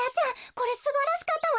これすばらしかったわ！